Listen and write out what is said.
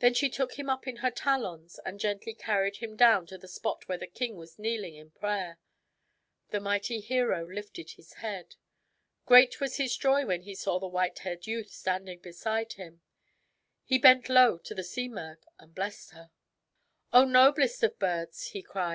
Then she took him up in her talons and gently carried him down to the spot where the king was kneeling in prayer. The mighty hero lifted his head. Great was his joy when he saw the white haired youth standing beside him. He bent low to the Simurgh and blessed her. "O noblest of birds!" he cried.